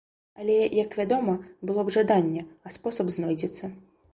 Але, як вядома, было б жаданне, а спосаб знойдзецца.